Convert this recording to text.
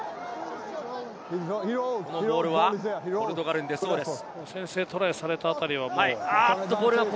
このボールはポルトガルに出そうです。